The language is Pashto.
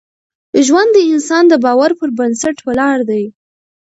ژوند د انسان د باور پر بنسټ ولاړ دی.